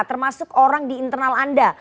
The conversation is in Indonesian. termasuk orang di internal anda